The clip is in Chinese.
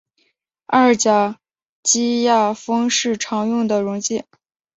二甲基亚砜是常用的溶剂。